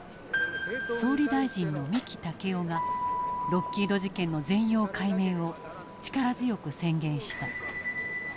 総理大臣の三木武夫がロッキード事件の全容解明を力強く宣言した。